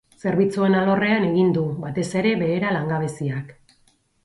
Zerbitzuen alorrean egin du, batez ere, behera langabeziak.